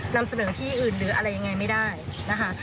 นำเสนอที่อื่นหรืออะไรยังไงไม่ได้นะคะ